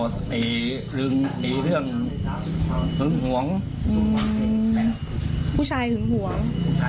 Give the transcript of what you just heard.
ตีเรื่องหึงหวงผู้ชายหึงหวง